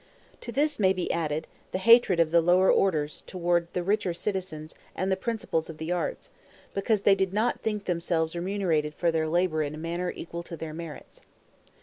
To this may be added, the hatred of the lower orders toward the rich citizens and the principals of the arts, because they did not think themselves remunerated for their labor in a manner equal to their merits.